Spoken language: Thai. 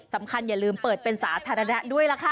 อย่าลืมเปิดเป็นสาธารณะด้วยล่ะค่ะ